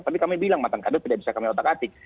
tapi kami bilang mantan kader tidak bisa kami otak atik